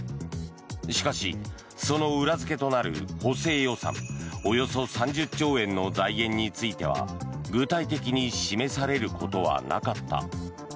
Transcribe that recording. しかし、その裏付けとなる補正予算、およそ３０兆円の財源については具体的に示されることはなかった。